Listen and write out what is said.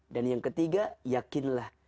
dan yang ketiga yakinlah